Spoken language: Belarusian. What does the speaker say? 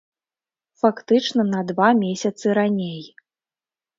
Фактычна на два месяцы раней.